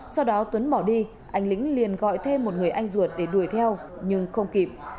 sau đó tuấn bỏ đi anh lĩnh liền gọi thêm một người anh ruột để đuổi theo nhưng không kịp